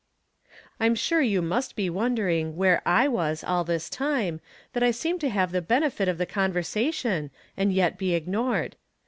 I'm sure you must be wondering where I was all this time, that I seemed to have the benefit of this conversation, and yet be ignored.